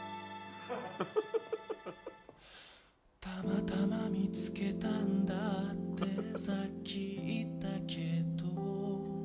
“たまたま見つけたんだ”ってさっき言ったけど